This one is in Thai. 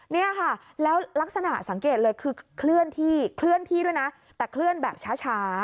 นี้ค่ะแล้วลักษณะซังเกตเลยคือขึ้นที่ขึ้นที่ด้วยนะแต่แบบช้า